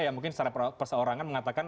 ya mungkin secara perseorangan mengatakan